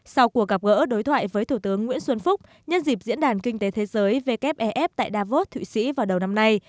sau cuộc gặp gỡ đối thoại với thủ tướng nguyễn xuân phúc nhân dịp diễn đàn kinh tế thế giới wfef tại davos thụy sĩ vào đầu năm nay